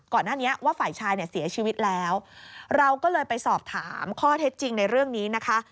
ก่อนหน้านี้ว่าฝ่ายชายเนี่ยเสียชีวิตแล้วเราก็เลยไปสอบถามข้อเท็จจริงในเรื่องนี้นะคะ